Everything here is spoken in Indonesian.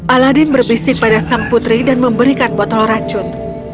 aladin berbisik pada sang putri dan memberikan botol racun